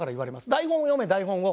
台本を読め台本を。